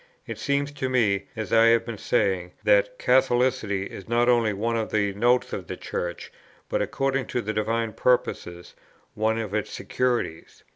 It seems to me, as I have been saying, that Catholicity is not only one of the notes of the Church, but, according to the divine purposes, one of its securities.